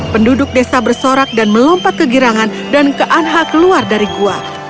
penduduk desa bersorak dan melompat ke girangan dan ke anha keluar dari gua